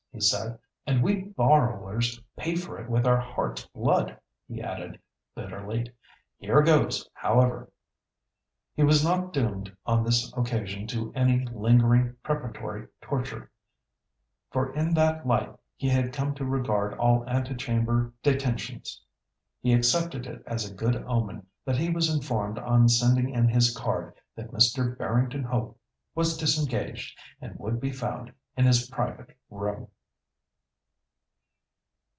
he said. "And we borrowers pay for it with our heart's blood," he added, bitterly. "Here goes, however!" He was not doomed on this occasion to any lingering preparatory torture, for in that light he had come to regard all ante chamber detentions. He accepted it as a good omen that he was informed on sending in his card, that Mr. Barrington Hope was disengaged, and would be found in his private room.